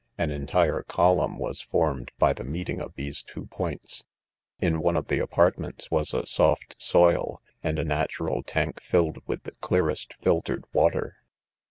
An entire column was formed by the meeting of these two points. In one of the apartments was a soft soil, and a natural tank filled with the clearest filtered water.